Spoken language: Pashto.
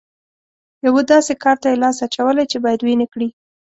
یوه داسې کار ته یې لاس اچولی چې بايد ويې نه کړي.